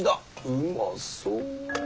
うまそう！